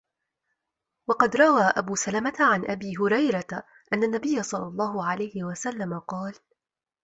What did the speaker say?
وَقَدْ رَوَى أَبُو سَلَمَةَ عَنْ أَبِي هُرَيْرَةَ أَنَّ النَّبِيَّ صَلَّى اللَّهُ عَلَيْهِ وَسَلَّمَ قَالَ